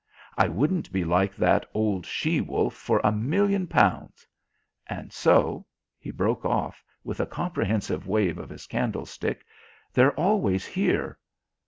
I wouldn't be like that old she wolf for a million pounds. And so" he broke off, with a comprehensive wave of his candlestick "they're always here.